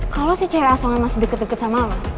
kalau si cewek asongan masih deket deket sama lo